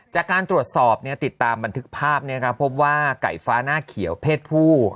จากการตรวจสอบเนี่ยติดตามบันทึกภาพเนี่ยครับพบว่าไก่ฟ้าหน้าเขียวเพศผู้